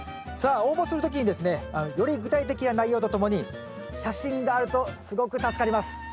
さあ応募する時にですねより具体的な内容とともに写真があるとすごく助かります。